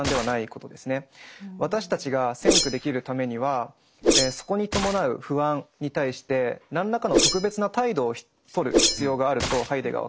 私たちが「先駆」できるためにはそこに伴う不安に対して何らかの特別な態度をとる必要があるとハイデガーは考えていました。